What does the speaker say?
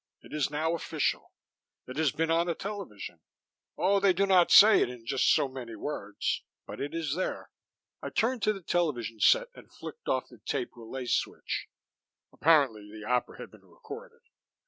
It is now official; it has been on the television. Oh, they do not say it in just so many words, but it is there." I turned to the television set and flicked off the tape relay switch apparently the opera had been recorded.